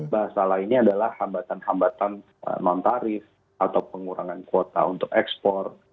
bahasa lainnya adalah hambatan hambatan non tarif atau pengurangan kuota untuk ekspor